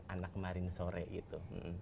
anak kemarin sore gitu